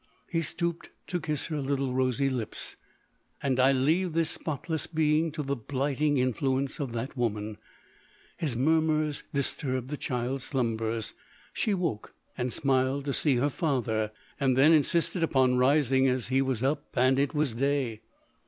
He stooped to kiss her little rosy lips :—" And I leave this spotless being to the blighting influence of that woman !" His murmurs disturbed the child's slumbers : she woke, and smiled to see her father ; and then insisted upon rising, as he was up, and it was day.